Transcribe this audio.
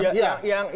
nah itu bagaimana